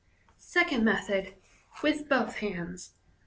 Second Method. — (With both hands).